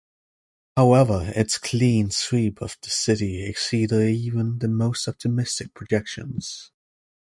However, its clean sweep of the city exceeded even the most optimistic projections.